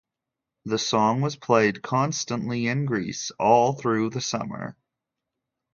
The song was played constantly in Greece all through the summer.